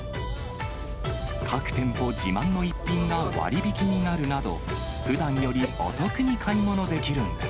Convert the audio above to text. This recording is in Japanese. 各店舗自慢の一品が割引になるなど、ふだんよりお得に買い物できるんです。